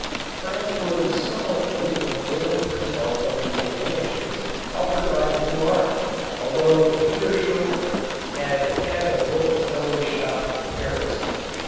France was somewhat late in availing herself of the advantages offered by the new art, although Peter Schoeffer had had a bookseller's shop in Paris.